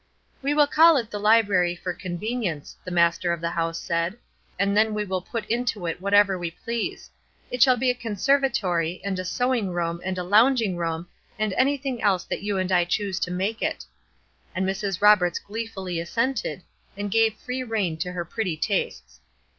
"We will call it the library for convenience," the master of the house said, "and then we will put into it whatever we please. It shall be a conservatory, and a sewing room and a lounging room and anything else that you and I choose to make it." And Mrs. Roberts gleefully assented, and gave free rein to her pretty tastes.